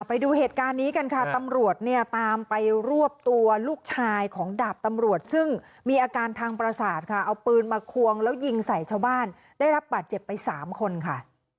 ไปดูเหตุการณ์นี้กันค่ะตำรวจเนี่ยตามไปรวบตัวลูกชายของดาบตำรวจซึ่งมีอาการทางประสาทค่ะเอาปืนมาควงแล้วยิงใส่ชาวบ้านได้รับบาดเจ็บไปสามคนค่ะ